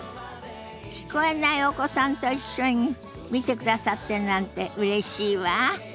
聞こえないお子さんと一緒に見てくださってるなんてうれしいわ。